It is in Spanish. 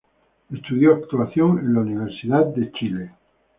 Estudió actuación en la Universidad de Chile.